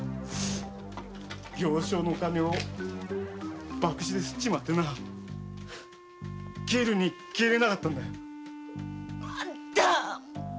行商の金をバクチですっちまってな帰るに帰れなかったんだよ。あんた。